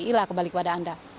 ila kembali kepada anda